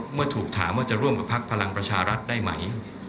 เมื่อถูกถามว่าจะร่วมกับพักพลังประชารัฐได้ไหม